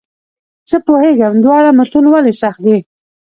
زه پوهېږم دواړه متون ولې سخت دي.